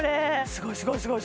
すごいすごいすごい！